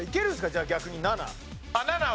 じゃあ逆に７。